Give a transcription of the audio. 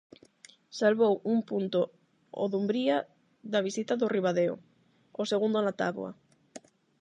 Salvou un punto o Dumbría da visita do Ribadeo, o segundo na táboa.